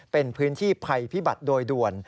เป็นพื้นที่ภัยพิบัติโดยด่วน